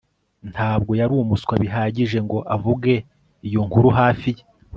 Ntabwo yari umuswa bihagije ngo avuge iyo nkuru hafi ye